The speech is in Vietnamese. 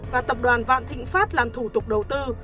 và tập đoàn vạn thịnh pháp làm thủ tục đầu tư